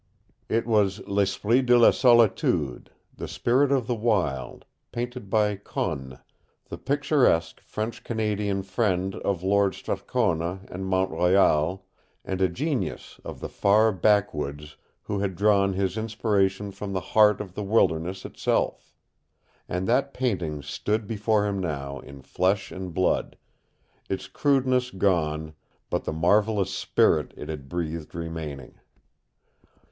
It was L'Esprit de la Solitude The Spirit of the Wild painted by Conne, the picturesque French Canadian friend of Lord Strathcona and Mount Royal, and a genius of the far backwoods who had drawn his inspiration from the heart of the wilderness itself. And that painting stood before him now in flesh and blood, its crudeness gone, but the marvelous spirit it had breathed remaining.